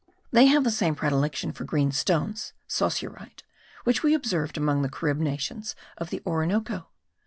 They have the same predilection for green stones (saussurite) which we observed among the Carib nations of the Orinoco.